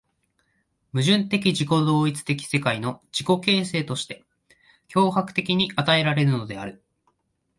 矛盾的自己同一的世界の自己形成として強迫的に与えられるのである。